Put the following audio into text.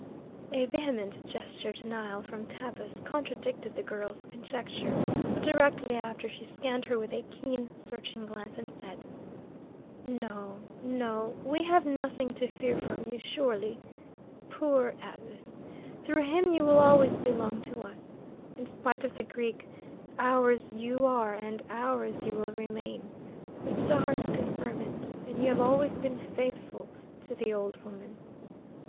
A vehement gesture of denial from Tabus contradicted the girl's conjecture; but directly after she scanned her with a keen, searching glance, and said: "No, no. We have nothing to fear from you, surely. Poor Abus! Through him you will always belong to us. In spite of the Greek, ours you are and ours you will remain. The stars confirm it, and you have always been faithful to the old woman.